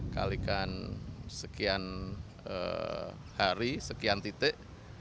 kalikan sekian hari sekian titik